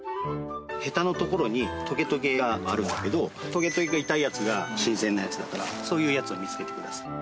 ヘタのところにトゲトゲがあるんだけどトゲトゲが痛いやつが新鮮なやつだからそういうやつを見つけてください